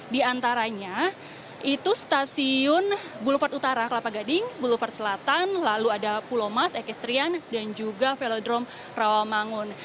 di antaranya itu stasiun boulevard utara kelapa gading boulevard selatan lalu ada pulau mas ekestrian dan juga velodrome rawamangun